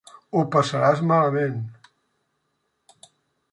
Ho passaràs malament.